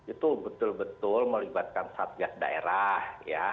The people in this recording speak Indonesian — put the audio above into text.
itu betul betul melibatkan satgas daerah ya